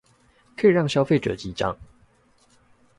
可以讓消費者記帳